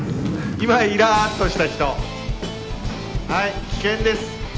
今イラッとした人はい危険です